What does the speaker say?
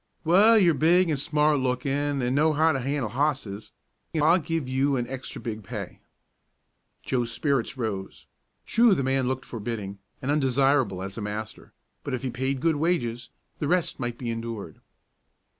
"Well, you're big an' smart lookin' an' know how to handle hosses, an' I'll give you extra big pay." Joe's spirits rose. True, the man looked forbidding, and undesirable as a master; but if he paid good wages, the rest might be endured.